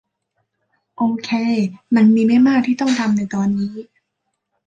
โอเค มันมีไม่มากที่ต้องทำในตอนนี้